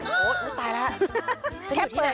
โหตายแล้ว